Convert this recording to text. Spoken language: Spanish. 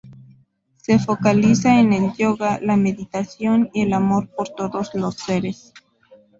Se focaliza en el yoga, la meditación y el amor por todos los seres.